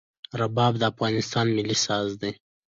رباب د افغانستان ملي ساز دی.